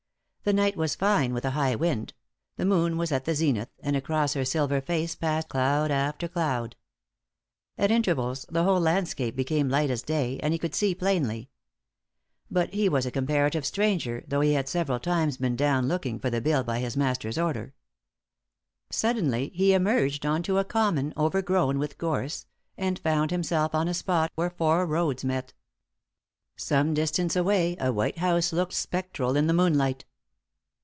The night was fine with a high wind; the moon was at the zenith, and across her silver face passed cloud after cloud. At intervals the whole landscape became light as day, and he could see plainly. But he was a comparative stranger, though he had several times been down looking for the bill by his master's order. Suddenly he emerged on to a common overgrown with gorse, and found himself on a spot where four roads met. Some distance away a white house looked spectral in the moonlight.